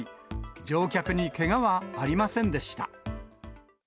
乗客にけがはありませんでした。